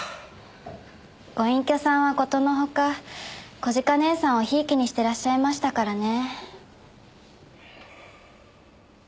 ご隠居さんはことのほか小鹿姐さんを贔屓にしてらっしゃいましたからね。